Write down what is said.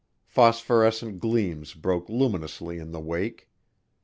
Phosphorescent gleams broke luminously in the wake.